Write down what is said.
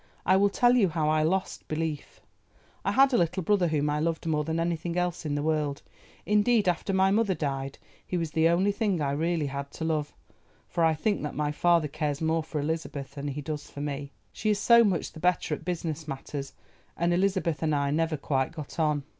I will tell you how I lost belief. I had a little brother whom I loved more than anything else in the world, indeed after my mother died he was the only thing I really had to love, for I think that my father cares more for Elizabeth than he does for me, she is so much the better at business matters, and Elizabeth and I never quite got on.